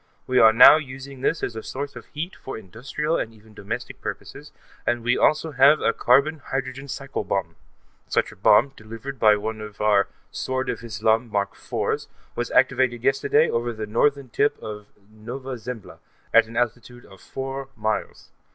We are now using this as a source of heat for industrial and even domestic purposes, and we also have a carbon hydrogen cycle bomb. Such a bomb, delivered by one of our Sword of Islam Mark IV's, was activated yesterday over the Northern tip of Nova Zembla, at an altitude of four miles.